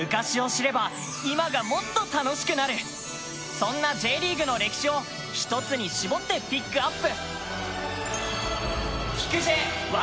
そんなＪリーグの歴史を１つに絞ってピックアップ。